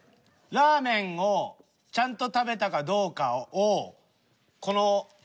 ラーメンをちゃんと食べたかどうかをこの。